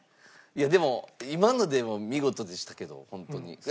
いやでも今のでも見事でしたけどホントに。